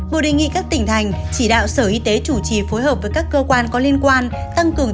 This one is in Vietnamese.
bộ đề nghị các tỉnh thành chỉ đạo sở y tế chủ trì phối hợp với các cơ quan có liên quan tăng cường